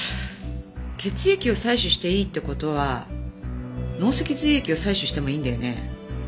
血液を採取していいって事は脳脊髄液を採取してもいいんだよね？